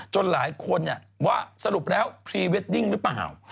หลายคนว่าสรุปแล้วพรีเวดดิ้งหรือเปล่า